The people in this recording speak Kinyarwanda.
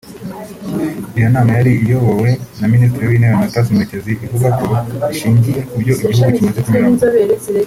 Iyo nama yari iyobowe na Ministiri w’Intebe Anastase Murekezi ivuga ko ishingiye ku byo igihugu kimaze kunyuramo